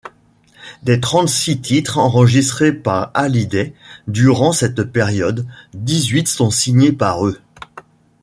Des trente-six titres enregistrés par Hallyday durant cette période, dix-huit sont signés par eux.